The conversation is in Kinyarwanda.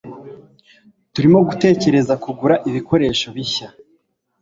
Turimo gutekereza kugura ibikoresho bishya.